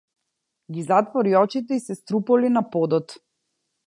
Ги затвори очите и се струполи на подот.